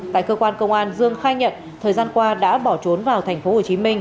tại cơ quan công an dương khai nhận thời gian qua đã bỏ trốn vào tp hcm